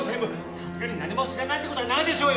さすがに何も知らないってことはないでしょうよ！